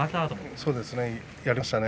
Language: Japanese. そうですね